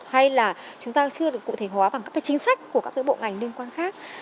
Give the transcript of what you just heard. hay là chúng ta chưa được cụ thể hóa bằng các cái chính sách của các cái bộ ngành liên quan khác